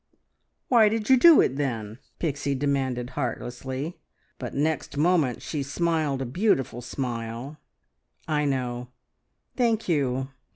"Why did you do it then?" Pixie demanded heartlessly, but next moment she smiled a beautiful smile. "I know! Thank you!